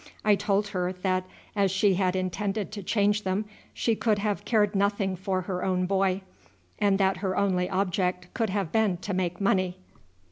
I told her that as she had intended to change them she could have cared nothing for her own boy, and that her only object could have been to make money.